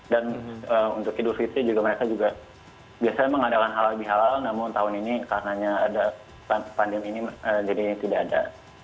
dan untuk hidup sisi juga mereka juga biasanya mengadakan hal lebih halal namun tahun ini karena ada pandemi ini jadi tidak ada